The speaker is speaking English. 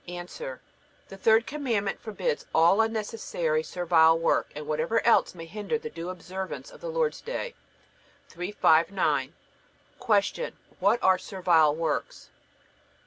A. The third Commandment forbids all unnecessary servile work and whatever else may hinder the due observance of the Lord's day. 359. Q. What are servile works?